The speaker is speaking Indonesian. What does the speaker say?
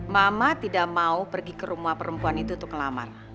mama tidak mau pergi ke rumah perempuan itu untuk kelamar